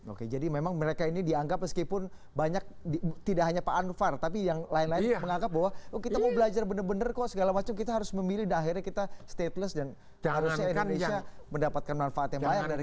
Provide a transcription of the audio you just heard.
oke jadi memang mereka ini dianggap meskipun banyak tidak hanya pak anwar tapi yang lain lain menganggap bahwa kita mau belajar benar benar kok segala macam kita harus memilih dan akhirnya kita stateless dan harusnya indonesia mendapatkan manfaat yang banyak dari